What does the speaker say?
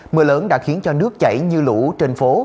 mưa lớn đã khiến cho nước chảy như lũ trên phố